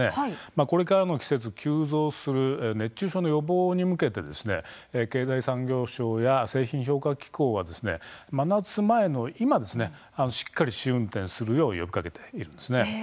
これからの季節、急増する熱中症の予防に向けて経済産業省や製品評価機構が真夏前の今しっかりと試運転するよう呼びかけています。